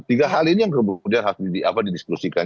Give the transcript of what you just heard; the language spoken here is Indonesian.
tiga hal ini yang kemudian harus didiskusikan